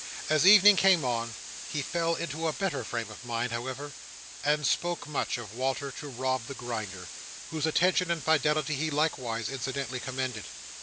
As evening came on, he fell into a better frame of mind, however; and spoke much of Walter to Rob the Grinder, whose attention and fidelity he likewise incidentally commended.